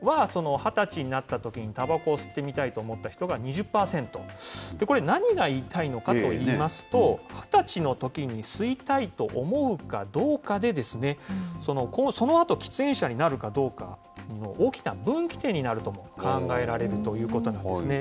２０歳になったときに、たばこを吸ってみたいと思った人が２０％、これ、何が言いたいのかといいますと、２０歳のときに吸いたいと思うかどうかで、そのあと、喫煙者になるかどうか、大きな分岐点になるとも考えられるということなんですね。